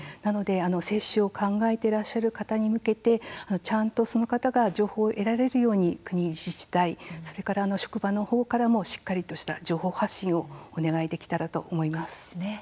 接種を考えていらっしゃる方に向けて、ちゃんとその方が情報を得られるように国、自治体職場のほうからも、しっかりとした情報発信をお願いできたらと思います。